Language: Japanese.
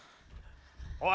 おい！